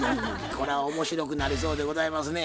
これは面白くなりそうでございますね。